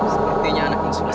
sepertinya anak yang suasana